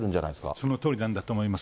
そのとおりなんだと思います。